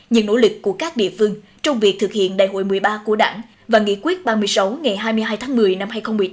những nỗ lực của các địa phương trong việc thực hiện đại hội một mươi ba của đảng và nghị quyết ba mươi sáu ngày hai mươi hai tháng một mươi năm hai nghìn một mươi tám